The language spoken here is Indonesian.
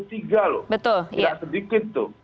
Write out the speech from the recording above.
tidak sedikit tuh